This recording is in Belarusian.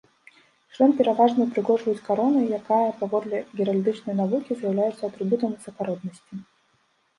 Шлем пераважна ўпрыгожваюць каронай, якая, паводле геральдычнай навукі, з'яўляецца атрыбутам высакароднасці.